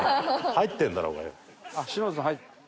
入ってるだろうがよ。